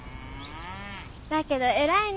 だけど偉いね